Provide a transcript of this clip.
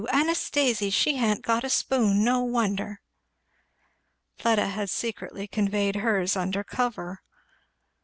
Anastasy, she ha'n't a spoon no wonder!" Fleda had secretly conveyed hers under cover.